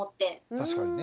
確かにね。